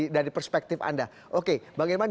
dari perspektif anda oke bang irman